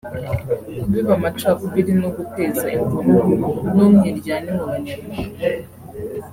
kubiba amacakubiri no guteza imvururu n’ umwiryane mu Banyarwanda